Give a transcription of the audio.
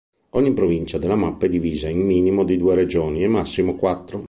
Ogni provincia della mappa è divisa in minimo di due regioni e massimo quattro.